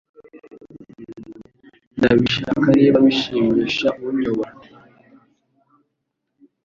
Ndabishaka niba bishimisha unyobora